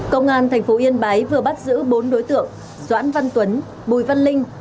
công an thành phố yên bái vừa bắt giữ bốn đối tượng doãn văn tuấn bùi văn linh